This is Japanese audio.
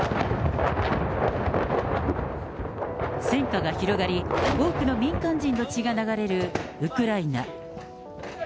戦火が広がり、多くの民間人の血が流れるウクライナ。